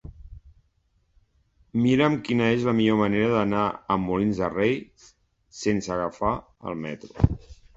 Mira'm quina és la millor manera d'anar a Molins de Rei sense agafar el metro.